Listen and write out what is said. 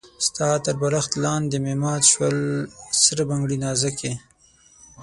ستا تر بالښت لاندې مي مات سول سره بنګړي نازکي